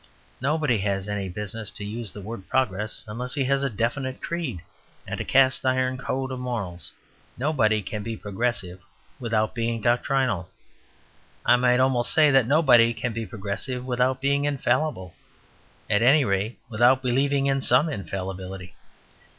Nobody has any business to use the word "progress" unless he has a definite creed and a cast iron code of morals. Nobody can be progressive without being doctrinal; I might almost say that nobody can be progressive without being infallible at any rate, without believing in some infallibility.